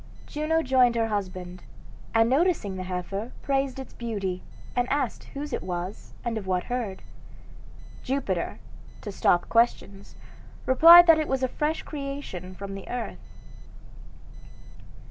Juno joined her husband, and noticing the heifer praised its beauty, and asked whose it was, and of what herd. Jupiter, to stop questions, replied that it was a fresh creation from the earth.